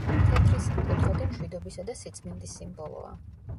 თეთრი სამკუთხედი მშვიდობისა და სიწმინდის სიმბოლოა.